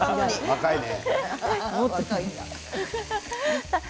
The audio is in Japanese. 若いね。